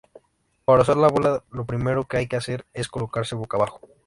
Para usar la bola lo primero que hay que hacer es colocarla boca abajo.